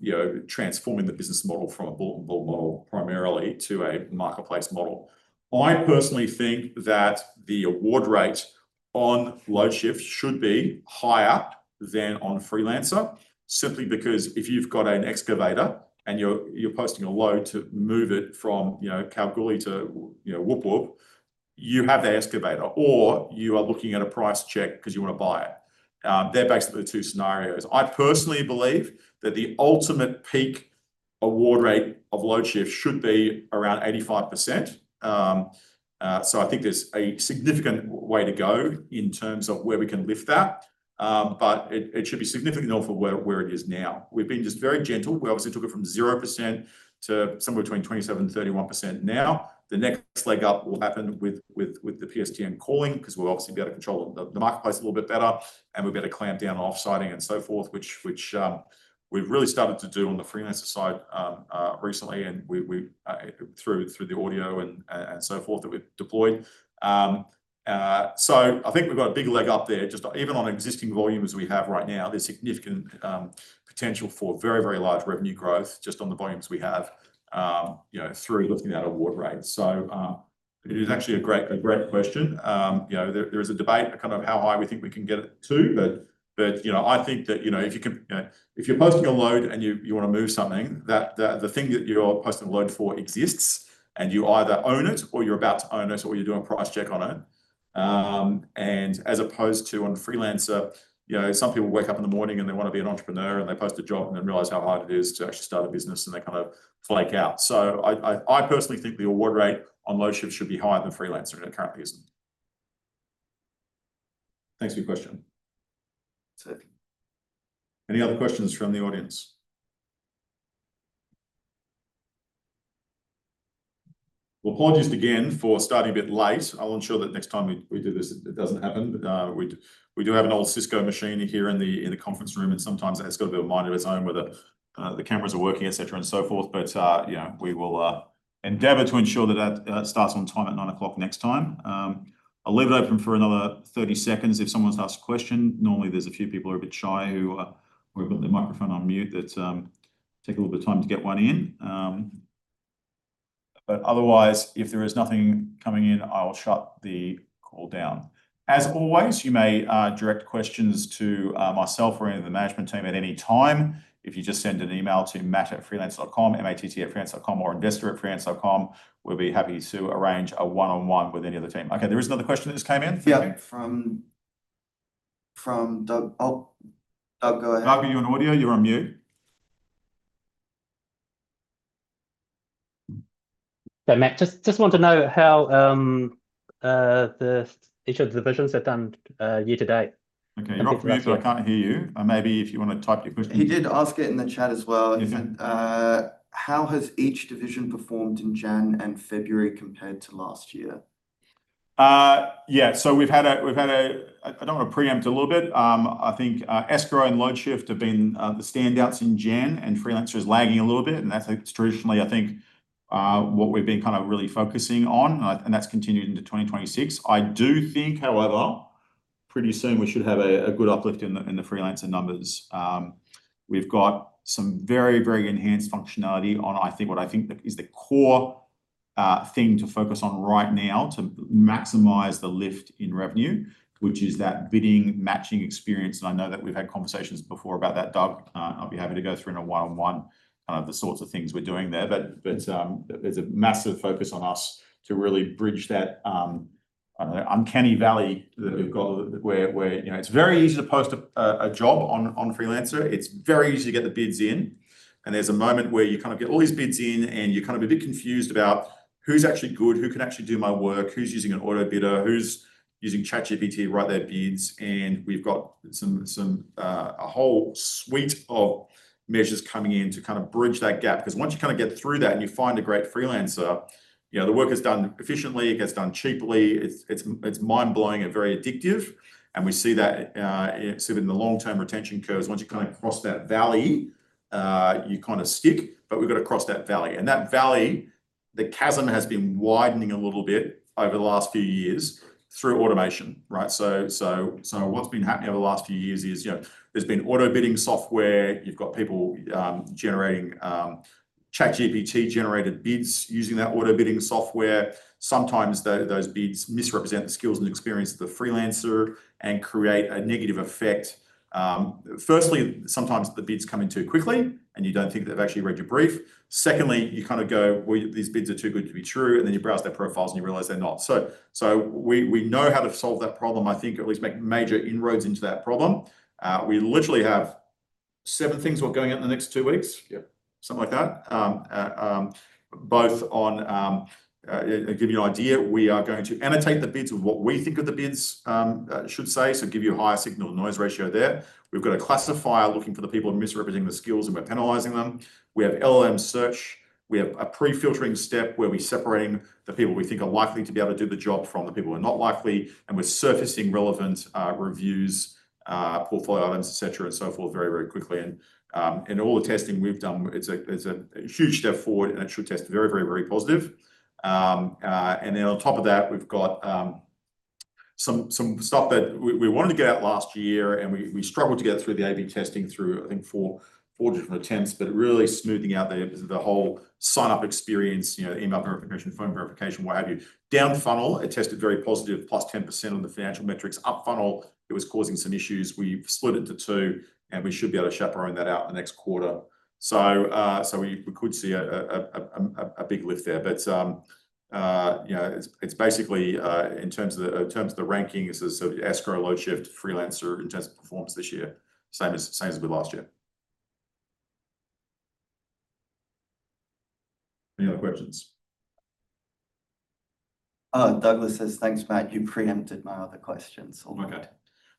you know, transforming the business model from a bulletin board model primarily to a marketplace model. I personally think that the award rate on Loadshift should be higher than on Freelancer, simply because if you've got an excavator and you're posting a load to move it from, you know, Kalgoorlie to, you know, Whoop Whoop, you have the excavator, or you are looking at a price check because you want to buy it. They're basically the two scenarios. I personally believe that the ultimate peak award rate of Loadshift should be around 85%. I think there's a significant way to go in terms of where we can lift that. It should be significantly, though, from where it is now. We've been just very gentle. We obviously took it from 0% to somewhere between 27% and 31%. The next leg up will happen with the PSTN calling because we'll obviously be able to control the marketplace a little bit better, and we'll be able to clamp down on off-siting and so forth, which we've really started to do on the Freelancer side recently, and we through the audio and so forth that we've deployed. I think we've got a big leg up there, just even on existing volumes we have right now, there's significant potential for very, very large revenue growth just on the volumes we have, you know, through lifting that award rate. It is actually a great question. You know, there is a debate kind of how high we think we can get it to. you know, I think that, you know, if you can, you know, if you're posting a load and you wanna move something, that the thing that you're posting a load for exists, and you either own it or you're about to own it, or you're doing a price check on it. As opposed to on Freelancer, you know, some people wake up in the morning, and they want to be an entrepreneur, and they post a job and then realize how hard it is to actually start a business, and they kind of flake out. I personally think the award rate on Loadshift should be higher than Freelancer, and it currently isn't. Thanks for your question. Sure. Any other questions from the audience? Well, apologies again for starting a bit late. I'll ensure that next time we do this, it doesn't happen. We do have an old Cisco machine here in the conference room, and sometimes it's got a bit of a mind of its own, whether the cameras are working, et cetera, and so forth. Yeah, we will endeavor to ensure that starts on time at nine o'clock next time. I'll leave it open for another 30 seconds if someone's asked a question. Normally, there's a few people who are a bit shy who or have got their microphone on mute, that take a little bit of time to get one in. Otherwise, if there is nothing coming in, I'll shut the call down. As always, you may direct questions to myself or any of the management team at any time. If you just send an email to matt@Freelancer.com, m-a-t-t@Freelancer.com or investor@Freelancer.com, we'll be happy to arrange a one-on-one with any of the team. Okay, there is another question that just came in. Yeah, from Doug. Oh, Doug, go ahead. Doug, are you on audio? You're on mute. Matt, just want to know how each of the divisions have done year-to-date. Okay. You're off mute, so I can't hear you. Maybe if you want to type your question. He did ask it in the chat as well. Okay. How has each division performed in January and February compared to last year? Yeah. We've had a. I don't want to preempt a little bit. I think Escrow and Loadshift have been the standouts in January, and Freelancer is lagging a little bit, and that's traditionally, I think, what we've been kind of really focusing on, and that's continued into 2026. I do think, however, pretty soon we should have a good uplift in the Freelancer numbers. We've got some very enhanced functionality on, I think what I think is the core thing to focus on right now to maximize the lift in revenue, which is that bidding, matching experience, and I know that we've had conversations before about that, Doug. I'll be happy to go through on a one-on-one, the sorts of things we're doing there. There's a massive focus on us to really bridge that uncanny valley that we've got, where, you know, it's very easy to post a job on Freelancer. It's very easy to get the bids in. There's a moment where you kind of get all these bids in, and you're kind of a bit confused about: Who's actually good? Who can actually do my work? Who's using an auto bidder? Who's using ChatGPT to write their bids? We've got some a whole suite of measures coming in to kind of bridge that gap. 'Cause once you kind of get through that and you find a great freelancer, you know, the work is done efficiently, it gets done cheaply. It's mind-blowing and very addictive, and we see that see it in the long-term retention curves. Once you kind of cross that valley, you kind of stick, but we've got to cross that valley. That valley, the chasm has been widening a little bit over the last few years through automation, right? What's been happening over the last few years is, you know, there's been auto-bidding software. You've got people generating ChatGPT-generated bids using that auto-bidding software. Sometimes those bids misrepresent the skills and experience of the freelancer and create a negative effect. Firstly, sometimes the bids come in too quickly, and you don't think they've actually read your brief. Secondly, you kind of go, "Well, these bids are too good to be true," and then you browse their profiles and you realize they're not. We know how to solve that problem, I think, at least make major inroads into that problem. We literally have seven things we're going out in the next two weeks. Yep. Something like that. Both on, give you an idea, we are going to annotate the bids with what we think of the bids, should say, so give you a higher signal-to-noise ratio there. We've got a classifier looking for the people misrepresenting the skills, and we're penalizing them. We have LLM search. We have a pre-filtering step, where we're separating the people we think are likely to be able to do the job from the people who are not likely, and we're surfacing relevant, reviews, portfolio items, et cetera, and so forth, very, very quickly. In all the testing we've done, it's a, it's a huge step forward, and it should test very, very, very positive. Then on top of that, we've got some stuff that we wanted to get out last year, and we struggled to get it through the A/B testing, through, I think, four different attempts, but really smoothing out the whole sign-up experience, you know, email verification, phone verification, what have you. Down funnel, it tested very positive, +10% on the financial metrics. Up funnel, it was causing some issues. We've split it into two, and we should be able to chaperone that out in the next quarter. We could see a big lift there. You know, it's basically in terms of the rankings, Escrow, Loadshift, Freelancer, in terms of performance this year, same as we did last year. Any other questions? Douglas says, "Thanks, Matt. You preempted my other questions. Okay.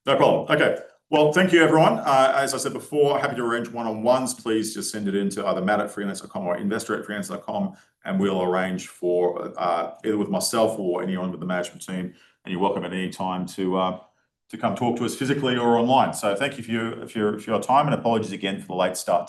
No problem. Okay. Well, thank you, everyone. As I said before, happy to arrange one-on-ones. Please just send it in to either matt@freelancer.com or investor@freelancer.com, and we'll arrange for either with myself or anyone with the management team, and you're welcome at any time to come talk to us physically or online. Thank you for your time, and apologies again for the late start today.